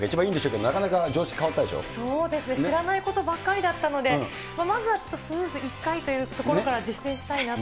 知らないことばっかりだったので、まずはちょっとスヌーズ１回というところから実践したいなと。